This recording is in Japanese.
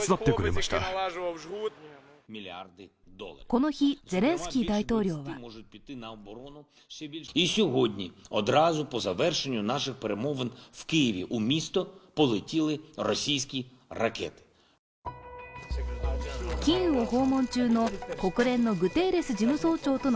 この日、ゼレンスキー大統領はキーウを訪問中の国連のグテーレス事務総長と